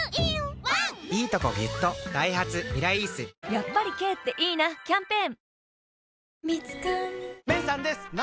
やっぱり軽っていいなキャンペーン